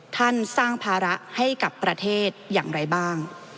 ท่านสร้างภาระให้กับประเทศอย่างไรบ้าง